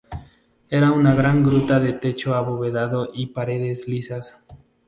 Era una gran gruta con techo abovedado y paredes lisas.